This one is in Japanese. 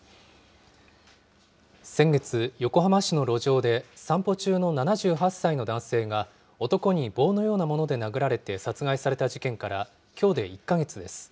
先月、横浜市の路上で、散歩中の７８歳の男性が、男に棒のようなもので殴られて殺害された事件から、きょうで１か月です。